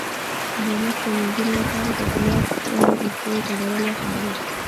د مخ د مینځلو لپاره د ګلاب او اوبو ګډول وکاروئ